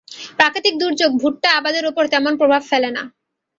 প্রাকৃতিক দুর্যোগ ভুট্টা আবাদের ওপর তেমন প্রভাব ফেলে না।